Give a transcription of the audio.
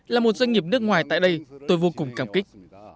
là một doanh nghiệp nước ngoài tại đây tôi vô cùng cảm kích